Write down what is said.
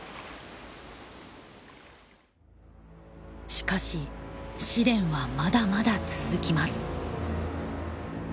しかし試練はまだまだ続きます。